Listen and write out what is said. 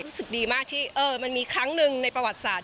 รู้สึกดีมากที่มันมีครั้งหนึ่งในประวัติศาสต